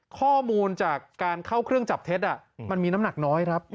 ข้อมูลจากการเข้าเครื่องจับเท็จมันมีน้ำหนักน้อยครับ